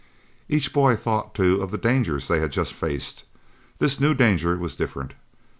Each boy thought, too, of the dangers they had just faced. This new danger was different.